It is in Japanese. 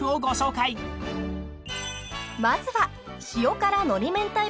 ［まずは］